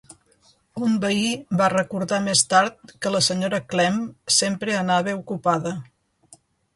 Un veí va recordar més tard que la sra. Clemm sempre anava ocupada.